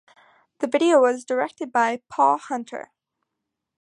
The video was directed by Paul Hunter.